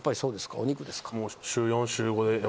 お肉ですか？